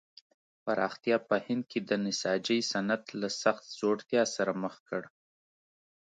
پراختیا په هند کې د نساجۍ صنعت له سخت ځوړتیا سره مخ کړ.